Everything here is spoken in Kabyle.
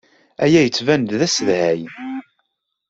Aya yettban-d d asedhay.